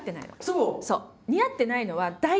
そう。